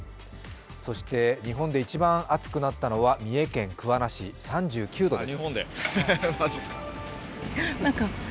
そして、日本で一番暑くなったのは三重県桑名市、３９度です。